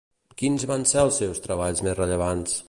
Quins van ser els seus treballs més rellevants?